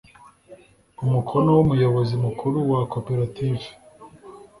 umukono w’umuyobozi mukuru wa coperative